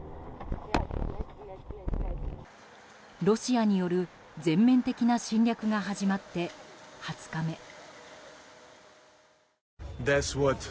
ロシアによる全面的な侵略が始まって２０日目。